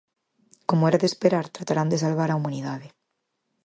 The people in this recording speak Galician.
Como era de esperar, tratarán de salvar á humanidade.